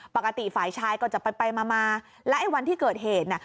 ปกติฝ่ายชายก็จะไปไปมามาแล้วไอ้วันที่เกิดเหตุน่ะ